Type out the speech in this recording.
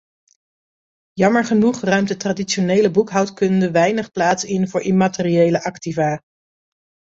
Jammer genoeg ruimt de traditionele boekhoudkunde weinig plaats in voor immateriële activa.